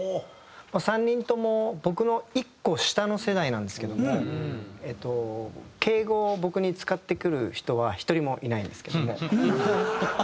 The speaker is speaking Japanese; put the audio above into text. ３人とも僕の１個下の世代なんですけどもえっと敬語を僕に使ってくる人は１人もいないんですけども。